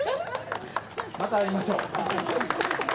また会いましょう。